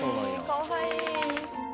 かわいい。